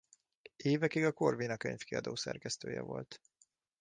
Évekig a Corvina Könyvkiadó szerkesztője volt.